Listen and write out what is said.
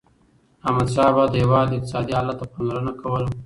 احمدشاه بابا د هیواد اقتصادي حالت ته پاملرنه کوله.